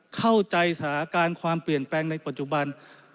เข้าใจสถานการณ์ความเปลี่ยนแปลงในปัจจุบัน